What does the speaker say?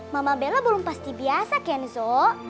mama bella belum pasti biasa kenzo